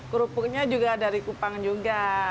kerupuknya juga dari kupang juga